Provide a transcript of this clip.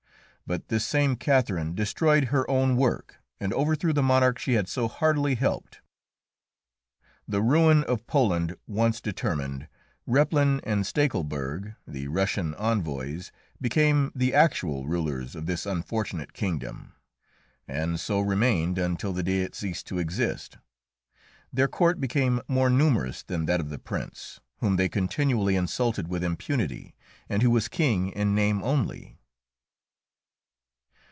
But this same Catherine destroyed her own work and overthrew the monarch she had so heartily helped. The ruin of Poland once determined, Replin and Stachelberg, the Russian envoys, became the actual rulers of this unfortunate kingdom, and so remained until the day it ceased to exist. Their court became more numerous than that of the Prince, whom they continually insulted with impunity, and who was king in name only.